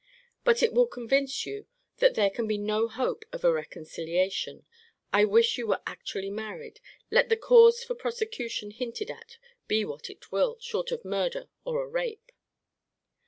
But as it will convince you that there can be no hope of a reconciliation, I wish you were actually married, let the cause for prosecution hinted at be what it will, short of murder or a rape.